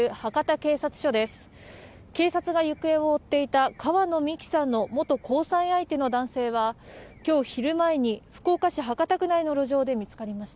警察が行方を追っていた川野美樹さんの元交際相手の男性は今日昼前に、福岡市博多区内の路上で見つかりました。